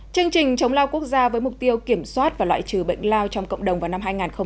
chương trình chống lao quốc gia với mục tiêu kiểm soát và loại trừ bệnh lao trong cộng đồng vào năm hai nghìn ba mươi